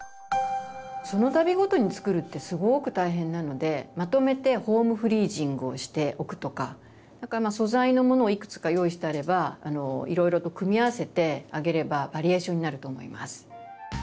そのたびごとに作るってすごく大変なのでまとめてホームフリージングをしておくとか素材のものをいくつか用意してあればいろいろと組み合わせてあげればバリエーションになると思います。